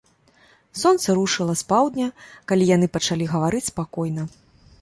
Сонца рушыла з паўдня, калі яны пачалі гаварыць спакойна.